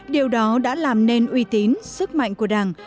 điều đó đã làm nên uy tín sức mạnh của đảng